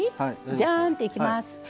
ジャーン！っていきます。